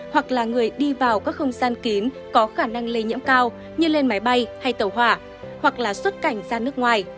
hoặc là người đi vào các không gian kín có khả năng lây nhiễm cao như lên máy bay hay tàu hỏa hoặc là xuất cảnh ra nước ngoài